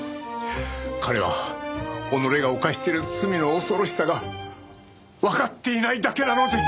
彼は己が犯している罪の恐ろしさがわかっていないだけなのです。